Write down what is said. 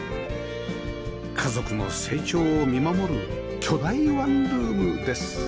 家族の成長を見守る巨大ワンルームです